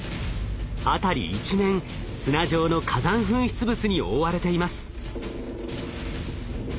辺り一面砂状の火山噴出物に覆われています。